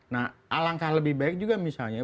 nah alangkah lebih baik juga misalnya